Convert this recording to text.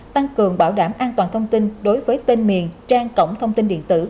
tăng cường bảo đảm an toàn thông tin đối với tên miền trang cổng thông tin điện tử